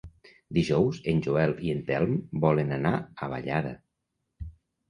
Dijous en Joel i en Telm volen anar a Vallada.